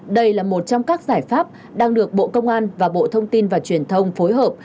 đây là một trong các giải pháp đang được bộ công an và bộ thông tin và truyền thông phối hợp